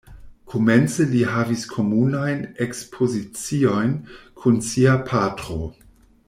Komence li havis komunajn ekspoziciojn kun sia patro.